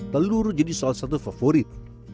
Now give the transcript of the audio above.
telur jadi salah satu favorit